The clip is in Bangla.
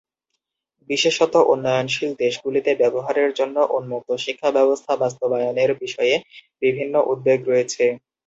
বিশেষত উন্নয়নশীল দেশগুলিতে ব্যবহারের জন্য উন্মুক্ত শিক্ষা ব্যবস্থা বাস্তবায়নের বিষয়ে বিভিন্ন উদ্বেগ রয়েছে।